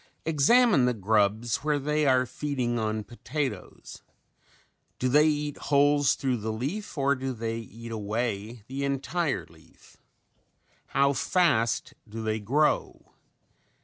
Examine the grubs where they are feeding on potatoes. Do they eat holes through the leaf, or do they eat away the entire leaf? How fast do they grow?